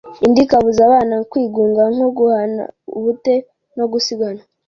indi ikabuza abana kwigunga nko guhana ubute no gusiganwa.